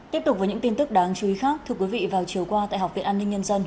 tiếp tục với những tin tức đáng chú ý khác thưa quý vị vào chiều qua tại học viện an ninh nhân dân